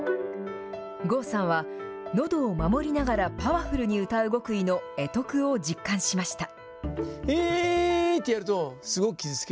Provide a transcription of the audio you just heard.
郷さんは、のどを守りながらパワフルに歌う極意の会得を実感しました。